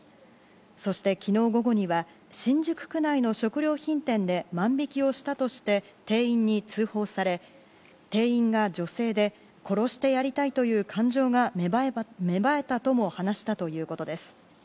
そして昨日午後には新宿区内の食料品店で万引きをしたとして店員に通報され店員が女性で殺してやりたいという感情が芽生えたとも話したということです。